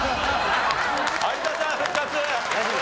有田さん復活！